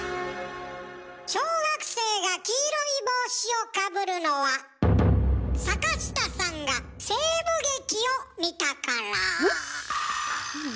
小学生が黄色い帽子をかぶるのは坂下さんが西部劇を見たから。